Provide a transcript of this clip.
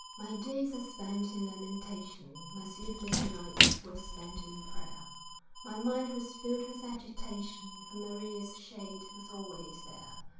My days are spent in lamentation, My sleepless nights were spent in prayer, My mind was filled with agitation, For Maria's shade was always there.